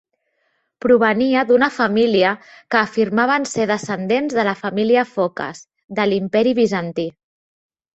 Provenia d'una família que afirmaven ser descendents de la família Focas de l'Imperi bizantí.